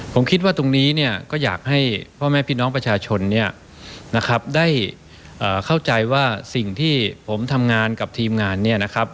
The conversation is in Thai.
ผมคิดว่าตรงนี้เนี่ยก็อยากให้พ่อแม่พี่น้องประชาชนเนี่ยนะครับได้เข้าใจว่าสิ่งที่ผมทำงานกับทีมงานเนี่ยนะครับ